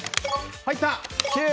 入った。